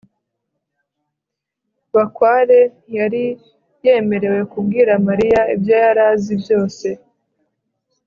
bakware ntiyari yemerewe kubwira mariya ibyo yari azi byose